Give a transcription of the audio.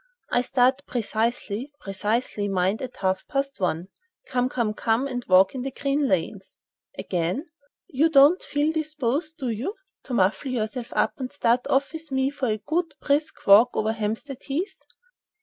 I start precisely—precisely, mind—at half past one. Come, come, come and walk in the green lanes!" Again: "You don't feel disposed, do you, to muffle yourself up and start off with me for a good, brisk walk over Hampstead Heath?"